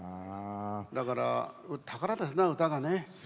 だから、宝ですな、歌がね。